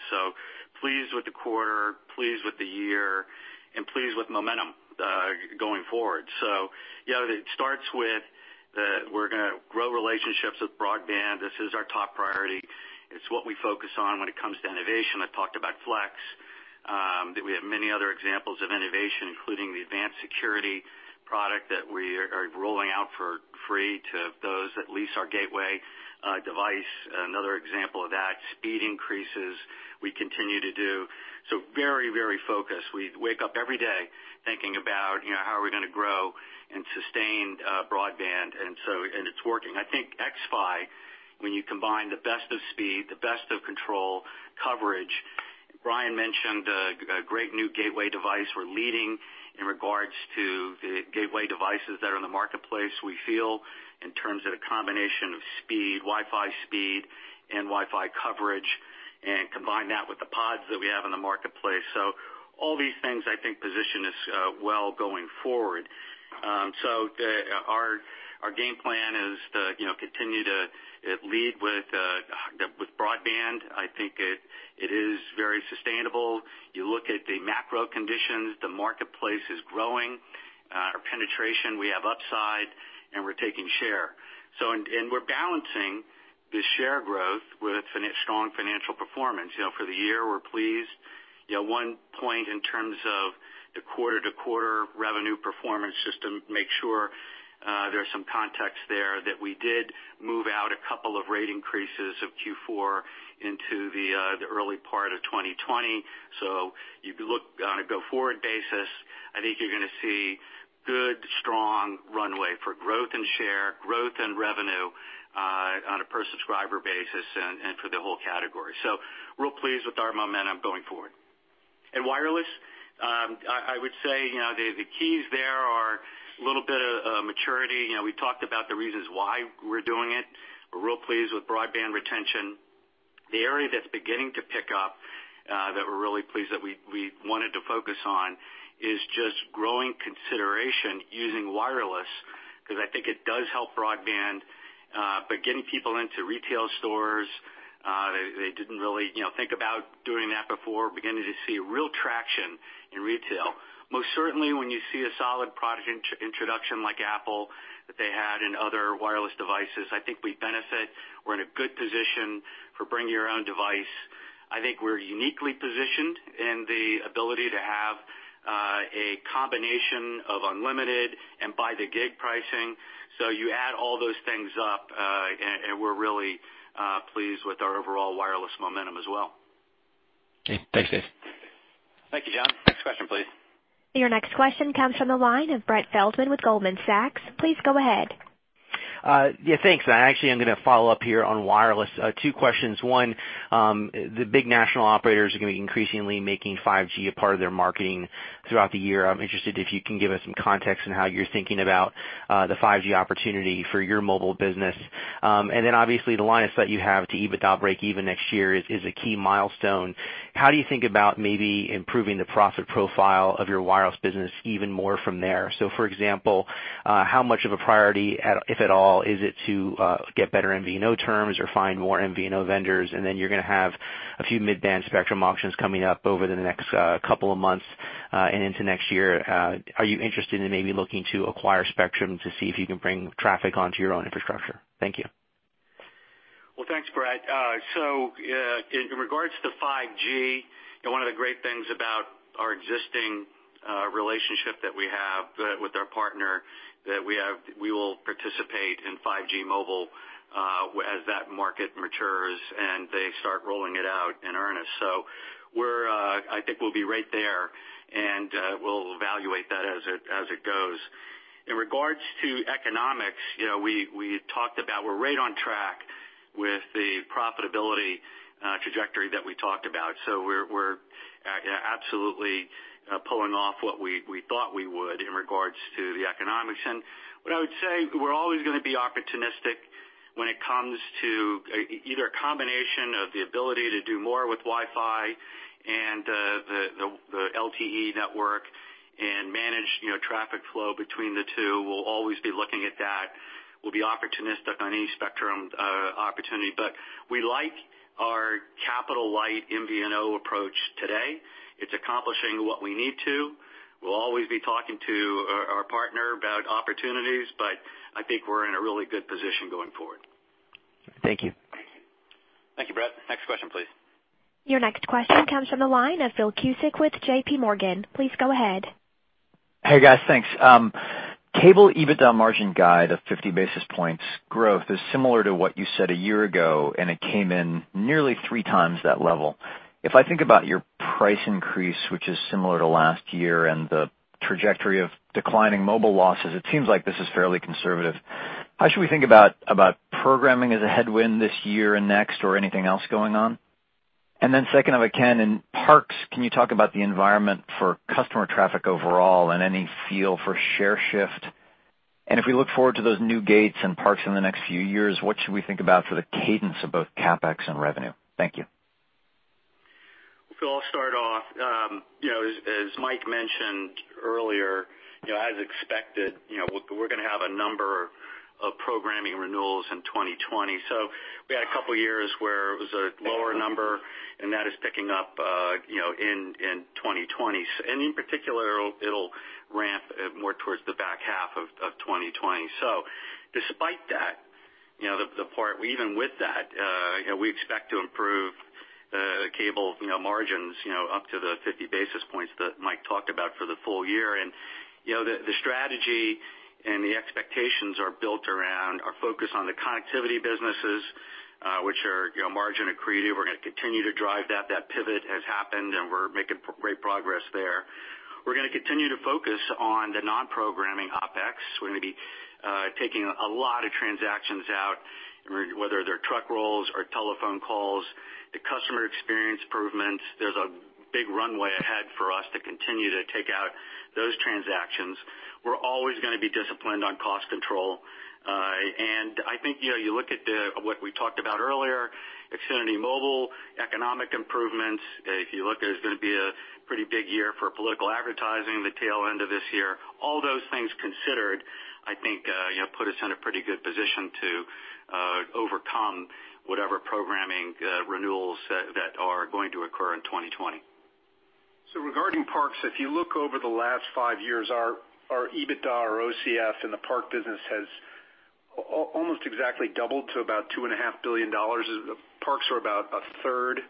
Pleased with the quarter, pleased with the year, and pleased with momentum going forward. It starts with we're going to grow relationships with broadband. This is our top priority. It's what we focus on when it comes to innovation. I talked about Flex, that we have many other examples of innovation, including the advanced security product that we are rolling out for free to those that lease our gateway device. Another example of that, speed increases we continue to do. Very focused. We wake up every day thinking about how are we going to grow and sustain broadband. It's working. I think XFi, when you combine the best of speed, the best of control, coverage. Brian mentioned a great new gateway device. We're leading in regards to the gateway devices that are in the marketplace, we feel, in terms of the combination of speed, Wi-Fi speed, and Wi-Fi coverage, and combine that with the pods that we have in the marketplace. All these things I think position us well going forward. Our game plan is to continue to lead with broadband. I think it is very sustainable. You look at the macro conditions, the marketplace is growing. Our penetration, we have upside, and we're taking share. We're balancing the share growth with a strong financial performance. For the year, we're pleased. One point in terms of the quarter-over-quarter revenue performance, just to make sure there's some context there, that we did move out a couple of rate increases of Q4 into the early part of 2020. If you look on a go-forward basis, I think you're going to see good, strong runway for growth and share, growth and revenue on a per subscriber basis and for the whole category. Real pleased with our momentum going forward. In wireless, I would say, the keys there are a little bit of maturity. We talked about the reasons why we're doing it. We're real pleased with broadband retention. The area that's beginning to pick up that we're really pleased that we wanted to focus on is just growing consideration using wireless, because I think it does help broadband. Getting people into retail stores, they didn't really think about doing that before. Beginning to see real traction in retail. Most certainly, when you see a solid product introduction like Apple that they had and other wireless devices, I think we benefit. We're in a good position for bring your own device. I think we're uniquely positioned in the ability to have a combination of unlimited and by the gig pricing. You add all those things up, and we're really pleased with our overall wireless momentum as well. Okay. Thanks, Dave. Thank you, John. Next question, please. Your next question comes from the line of Brett Feldman with Goldman Sachs. Please go ahead. Yeah, thanks. Actually, I'm going to follow up here on wireless. Two questions. One, the big national operators are going to be increasingly making 5G a part of their marketing throughout the year. I'm interested if you can give us some context on how you're thinking about the 5G opportunity for your mobile business. Obviously the line of sight you have to EBITDA break even next year is a key milestone. How do you think about maybe improving the profit profile of your wireless business even more from there? For example, how much of a priority, if at all, is it to get better MVNO terms or find more MVNO vendors? You're going to have a few mid-band spectrum auctions coming up over the next couple of months, and into next year. Are you interested in maybe looking to acquire spectrum to see if you can bring traffic onto your own infrastructure? Thank you. Well, thanks, Brett. In regards to 5G, one of the great things about our existing relationship that we have with our partner, that we will participate in 5G mobile as that market matures and they start rolling it out in earnest. I think we'll be right there, and we'll evaluate that as it goes. In regards to economics, we talked about we're right on track with the profitability trajectory that we talked about. We're absolutely pulling off what we thought we would in regards to the economics. What I would say, we're always going to be opportunistic when it comes to either a combination of the ability to do more with Wi-Fi and the LTE network and manage traffic flow between the two. We'll always be looking at that. We'll be opportunistic on any spectrum opportunity. We like our capital light MVNO approach today. It's accomplishing what we need to. We'll always be talking to our partner about opportunities, but I think we're in a really good position going forward. Thank you. Thank you, Brett. Next question, please. Your next question comes from the line of Phil Cusick with J.P. Morgan. Please go ahead. Hey, guys. Thanks. Cable EBITDA margin guide of 50 basis points growth is similar to what you said a year ago, and it came in nearly three times that level. If I think about your price increase, which is similar to last year, and the trajectory of declining mobile losses, it seems like this is fairly conservative. How should we think about programming as a headwind this year and next, or anything else going on? Second, if I can, in parks, can you talk about the environment for customer traffic overall and any feel for share shift? If we look forward to those new gates and parks in the next few years, what should we think about for the cadence of both CapEx and revenue? Thank you. Phil, I'll start off. As Mike mentioned earlier, as expected, we're going to have a number of programming renewals in 2020. We had a couple of years where it was a lower number, and that is picking up in 2020. In particular, it'll ramp more towards the back half of 2020. Despite that, even with that, we expect to improve the cable margins up to the 50 basis points that Mike talked about for the full year. The strategy and the expectations are built around our focus on the connectivity businesses, which are margin accretive. We're going to continue to drive that. That pivot has happened, and we're making great progress there. We're going to continue to focus on the non-programming OpEx. We're going to be taking a lot of transactions out, whether they're truck rolls or telephone calls, the customer experience improvements. There's a big runway ahead for us to continue to take out those transactions. We're always going to be disciplined on cost control. I think you look at what we talked about earlier, Xfinity Mobile, economic improvements. If you look, there's going to be a pretty big year for political advertising the tail end of this year. All those things considered, I think put us in a pretty good position to overcome whatever programming renewals that are going to occur in 2020. Regarding parks, if you look over the last 5 years, our EBITDA or OCF in the park business has almost exactly doubled to about $2.5 billion. Parks are about a third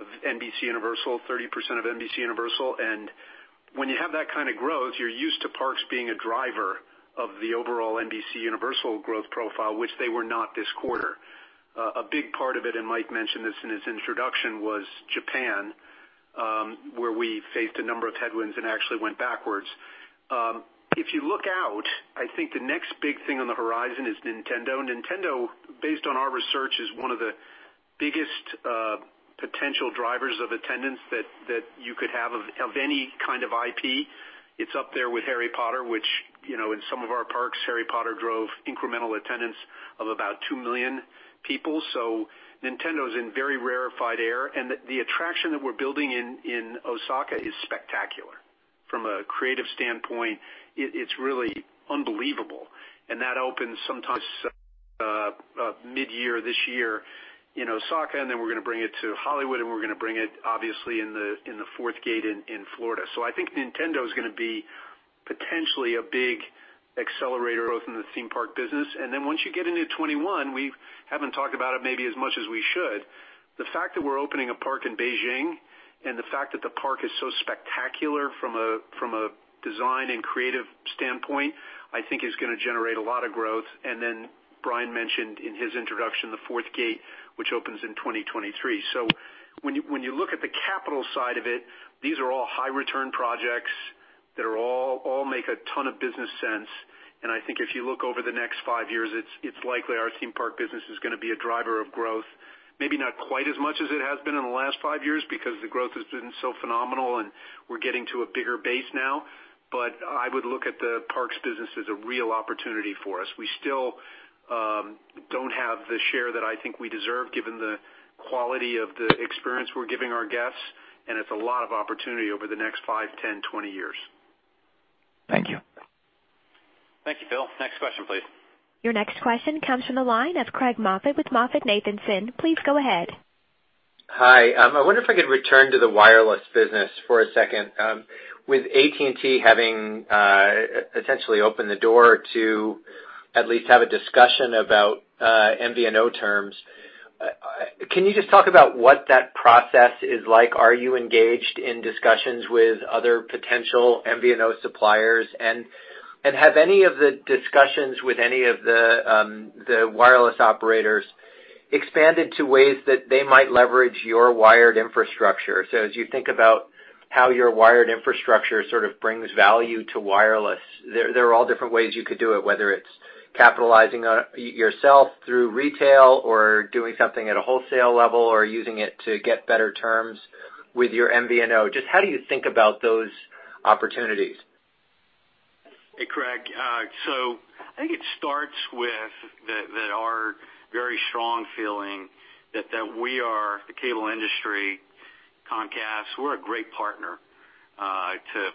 of NBCUniversal, 30% of NBCUniversal. When you have that kind of growth, you're used to parks being a driver of the overall NBCUniversal growth profile, which they were not this quarter. A big part of it, and Mike mentioned this in his introduction, was Japan, where we faced a number of headwinds and actually went backwards. If you look out, I think the next big thing on the horizon is Nintendo. Nintendo, based on our research, is one of the biggest potential drivers of attendance that you could have of any kind of IP. It's up there with Harry Potter, which in some of our parks, Harry Potter drove incremental attendance of about 2 million people. Nintendo's in very rarefied air, and the attraction that we're building in Osaka is spectacular. From a creative standpoint, it's really unbelievable. That opens sometime mid-year this year in Osaka, and then we're going to bring it to Hollywood, and we're going to bring it, obviously, in the fourth gate in Florida. I think Nintendo's going to be potentially a big accelerator both in the theme park business. Once you get into 2021, we haven't talked about it maybe as much as we should. The fact that we're opening a park in Beijing, and the fact that the park is so spectacular from a design and creative standpoint, I think is going to generate a lot of growth. Brian mentioned in his introduction the fourth gate, which opens in 2023. When you look at the capital side of it, these are all high return projects that all make a ton of business sense. I think if you look over the next five years, it's likely our theme park business is going to be a driver of growth. Maybe not quite as much as it has been in the last five years because the growth has been so phenomenal and we're getting to a bigger base now. I would look at the parks business as a real opportunity for us. We still don't have the share that I think we deserve given the quality of the experience we're giving our guests, and it's a lot of opportunity over the next five, 10, 20 years. Thank you. Thank you, Phil. Next question, please. Your next question comes from the line of Craig Moffett with MoffettNathanson. Please go ahead. Hi. I wonder if I could return to the wireless business for a second. With AT&T having essentially opened the door to at least have a discussion about MVNO terms, can you just talk about what that process is like? Are you engaged in discussions with other potential MVNO suppliers? Have any of the discussions with any of the wireless operators expanded to ways that they might leverage your wired infrastructure? As you think about how your wired infrastructure sort of brings value to wireless, there are all different ways you could do it, whether it's capitalizing yourself through retail or doing something at a wholesale level, or using it to get better terms with your MVNO. Just how do you think about those opportunities? Hey, Craig. I think it starts with our very strong feeling that we are the cable industry, Comcast, we're a great partner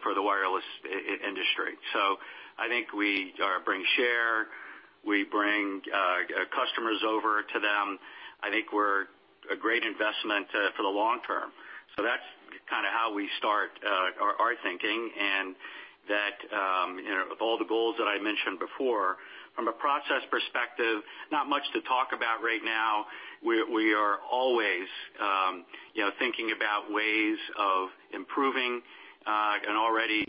for the wireless industry. I think we bring share, we bring customers over to them. I think we're a great investment for the long term. That's kind of how we start our thinking, and that of all the goals that I mentioned before, from a process perspective, not much to talk about right now. We are always thinking about ways of improving an already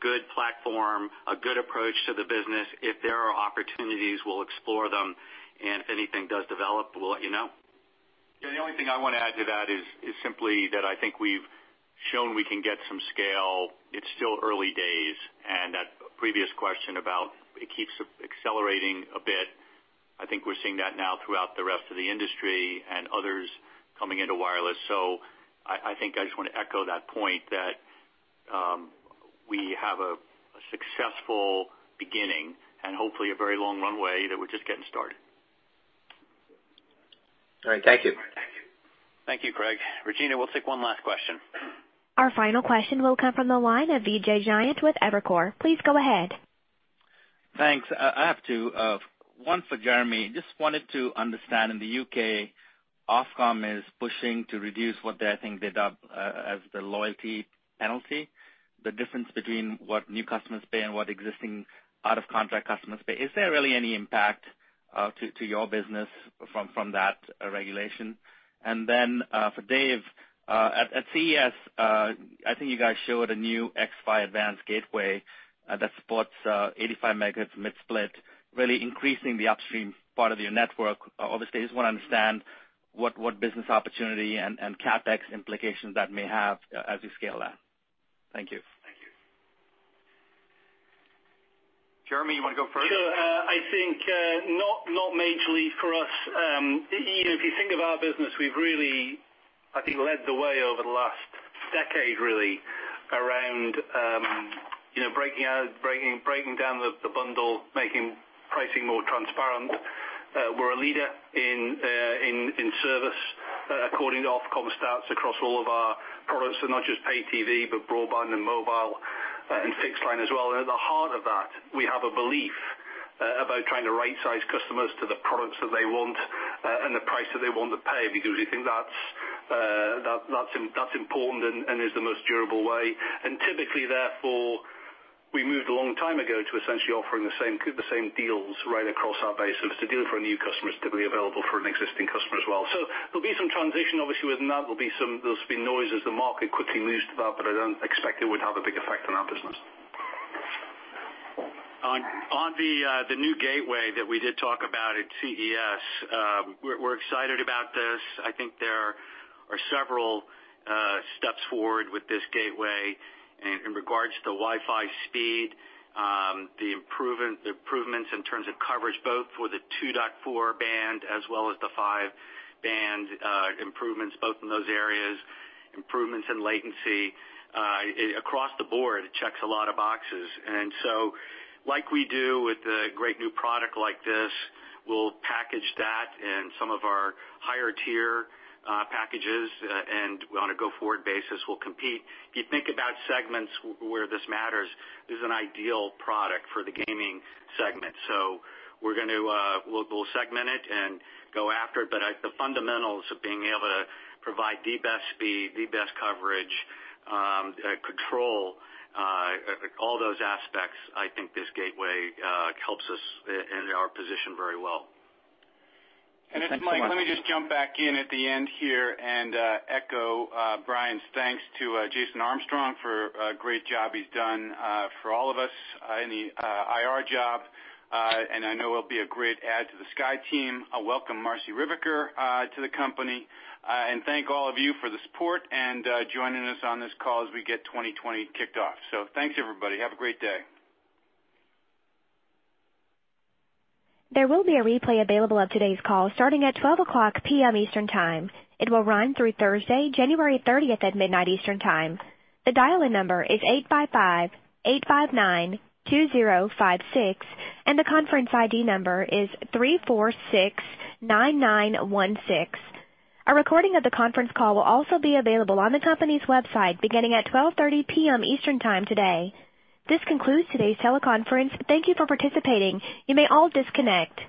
good platform, a good approach to the business. If there are opportunities, we'll explore them, and if anything does develop, we'll let you know. Yeah, the only thing I want to add to that is simply that I think we've shown we can get some scale. It's still early days, and that previous question about it keeps accelerating a bit. I think we're seeing that now throughout the rest of the industry and others coming into wireless. I think I just want to echo that point that we have a successful beginning and hopefully a very long runway that we're just getting started. All right. Thank you. Thank you, Craig. Regina, we'll take one last question. Our final question will come from the line of Vijay Jayant with Evercore. Please go ahead. Thanks. I have two. One for Jeremy. Just wanted to understand in the U.K., Ofcom is pushing to reduce what they think they dub as the loyalty penalty, the difference between what new customers pay and what existing out of contract customers pay. Is there really any impact to your business from that regulation? For Dave, at CES, I think you guys showed a new xFi Advanced Gateway that supports 85 megahertz mid-split, really increasing the upstream part of your network. Obviously, I just want to understand what business opportunity and CapEx implications that may have as you scale that. Thank you. Jeremy, you want to go first? Sure. I think not majorly for us. If you think of our business, we've really, I think, led the way over the last decade really around breaking down the bundle, making pricing more transparent. We're a leader in service according to Ofcom stats across all of our products, so not just pay TV, but broadband and mobile and fixed line as well. At the heart of that, we have a belief about trying to right size customers to the products that they want and the price that they want to pay because we think that's important and is the most durable way. Typically, therefore, we moved a long time ago to essentially offering the same deals right across our base. If it's a deal for a new customer, it's typically available for an existing customer as well. There'll be some transition obviously within that. There'll be noise as the market quickly moves to that, but I don't expect it would have a big effect on our business. On the new gateway that we did talk about at CES, we're excited about this. I think there are several steps forward with this gateway in regards to Wi-Fi speed, the improvements in terms of coverage, both for the 2.4 band as well as the five band improvements, both in those areas, improvements in latency. Across the board, it checks a lot of boxes. Like we do with a great new product like this, we'll package that in some of our higher tier packages, and on a go forward basis, we'll compete. If you think about segments where this matters, this is an ideal product for the gaming segment. We'll segment it and go after it. The fundamentals of being able to provide the best speed, the best coverage, control, all those aspects, I think this gateway helps us in our position very well. It's Mike. Let me just jump back in at the end here and echo Brian's thanks to Jason Armstrong for a great job he's done for all of us in the IR job. I know it'll be a great add to the Sky team. I welcome Marci Ryvicker to the company. Thank all of you for the support and joining us on this call as we get 2020 kicked off. Thanks, everybody. Have a great day. There will be a replay available of today's call starting at 12:00 P.M. Eastern Time. It will run through Thursday, January 30th at midnight Eastern Time. The dial-in number is 855-859-2056, and the conference ID number is 3469916. A recording of the conference call will also be available on the company's website beginning at 12:30 P.M. Eastern Time today. This concludes today's teleconference. Thank you for participating. You may all disconnect.